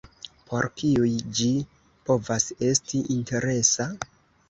Por kiuj ĝi povas esti interesa?